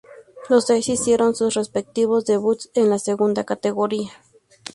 Los tres hicieron sus respectivos debuts en la segunda categoría.